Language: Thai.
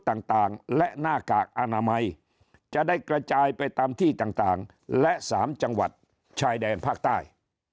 ต่างและหน้ากากอนามัยจะได้กระจายไปตามที่ต่างและ๓จังหวัดชายแดนภาคใต้